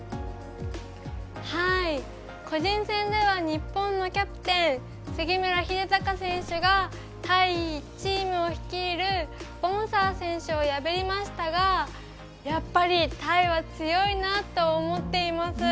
個人戦では日本のキャプテン杉村英孝選手がタイチームを率いるボンサー選手を破りましたがやっぱり、タイは強いなと思っています。